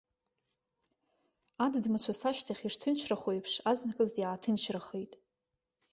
Адыдмацәыс ашьҭахь ишҭынчрахо еиԥш азныказ иааҭынчрахеит.